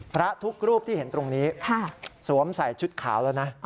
พระทุกรูปที่เห็นตรงนี้สวมใส่ชุดขาวแล้วนะ